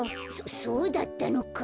そそうだったのか。